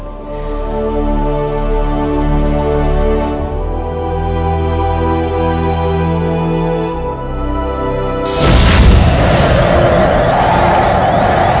amin ya rukh alamin